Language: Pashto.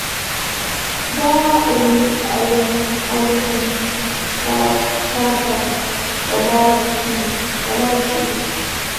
د علماوو شاته ولاړ شئ.